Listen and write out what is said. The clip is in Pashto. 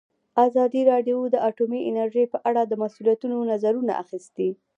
ازادي راډیو د اټومي انرژي په اړه د مسؤلینو نظرونه اخیستي.